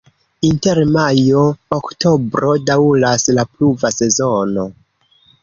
Inter majo-oktobro daŭras la pluva sezono.